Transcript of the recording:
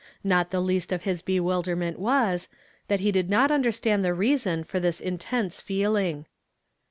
Not the least of his bewilderment was, that he did not understand the reason for this intense feeling.